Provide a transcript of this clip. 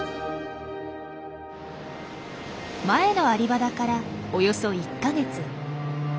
前のアリバダからおよそ１か月。